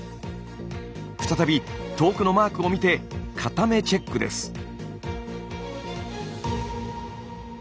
再び遠くのマークを見て片目チェックです。